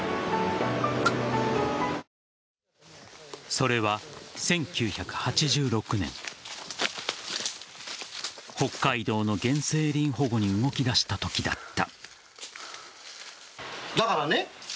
それは１９８６年北海道の原生林保護に動き出したときだった。